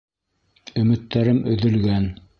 Өмөттәрем өҙөлгән!